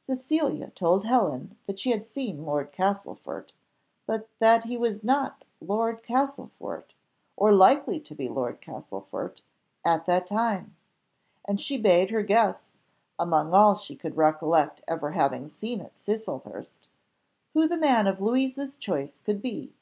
Cecilia told Helen that she had seen Lord Castlefort, but that he was not Lord Castlefort, or likely to be Lord Castlefort, at that time; and she bade her guess, among all she could recollect having ever seen at Cecilhurst, who the man of Louisa's choice could be.